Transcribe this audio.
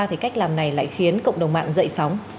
thì cách làm này lại khiến cộng đồng mạng dậy sóng